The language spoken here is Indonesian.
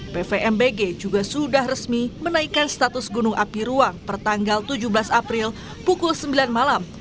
pvmbg juga sudah resmi menaikkan status gunung api ruang pertanggal tujuh belas april pukul sembilan malam